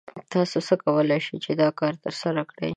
تاسو څنګه کولی شئ چې دا کار ترسره کړئ؟